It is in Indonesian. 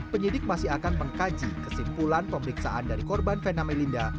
penyidik masih akan mengkaji kesimpulan pemeriksaan dari korban vena melinda